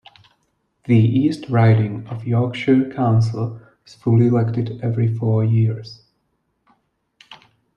The East Riding of Yorkshire Council is fully elected every four years.